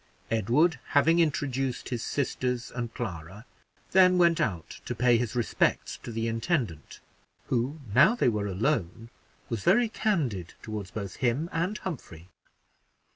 Edward, having introduced his sisters and Clara, then went out to pay his respects to the intendant, who, now they were alone, was very candid toward both him and Humphrey.